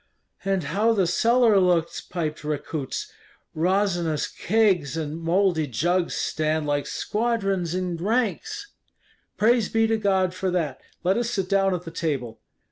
"And how the cellar looks!" piped Rekuts; "resinous kegs and mouldy jugs stand like squadrons in ranks." "Praise be to God for that! let us sit down at the table."